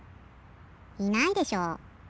いないでしょ。